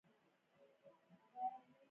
افغانستان په بادام باندې تکیه لري.